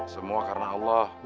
semua karena allah